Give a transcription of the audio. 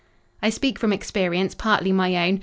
"I speak from experience—partly my own.